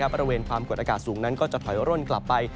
บริเวณความกดอากาศสูงนั้นก็จะถอยร่นกลับไป